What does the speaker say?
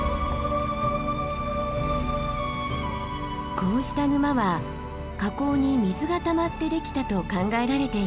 こうした沼は火口に水がたまってできたと考えられています。